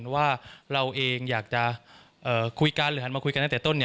ว่าเราเองอยากจะคุยกันหรือหันมาคุยกันตั้งแต่ต้น